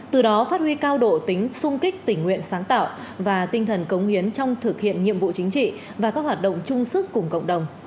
từ đó phát huy cao độ tính sung kích tình nguyện sáng tạo và tinh thần cống hiến trong thực hiện nhiệm vụ chính trị và các hoạt động chung sức cùng cộng đồng